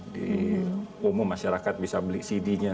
di umum masyarakat bisa beli cd nya